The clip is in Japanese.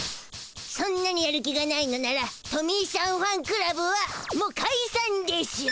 そんなにやる気がないのならトミーしゃんファンクラブはもうかいさんでしゅ！